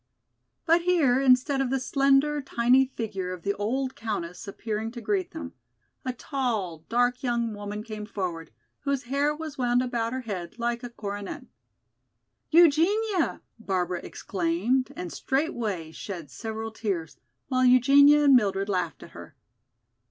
But here, instead of the slender, tiny figure of the old Countess appearing to greet them, a tall, dark young woman came forward, whose hair was wound about her head like a coronet. "Eugenia!" Barbara exclaimed, and straightway shed several tears, while Eugenia and Mildred laughed at her.